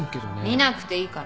見なくていいから。